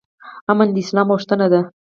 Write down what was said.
امن د اسلام غوښتنه ده